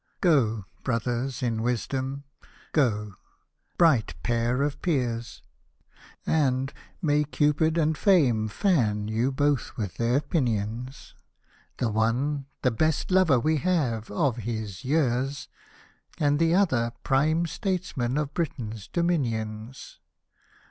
Go, Brothers in wisdom — go, bright pair of Peers, And may Cupid and Fame fan you both with their pinions ! The one^ the best lover we have — of his years^ And the other Prime Statesman of Britain's dominions.